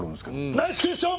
ナイスクエスチョン！